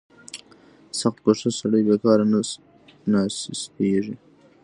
• سختکوش سړی بېکاره نه ناستېږي.